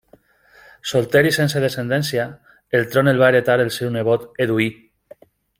Solter i sense descendència, el tron el va heretar el seu nebot Eduí.